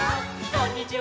「こんにちは」